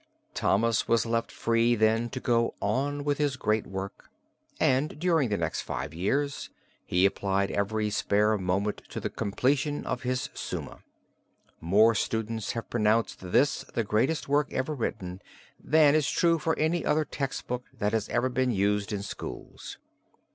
Thomas was left free then to go on with his great work, and during the next five years he applied every spare moment to the completion of his Summa. More students have pronounced this the greatest work ever written than is true for any other text book that has ever been used in schools.